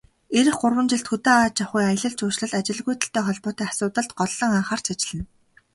Ирэх гурван жилд хөдөө аж ахуй, аялал жуулчлал, ажилгүйдэлтэй холбоотой асуудалд голлон анхаарч ажиллана.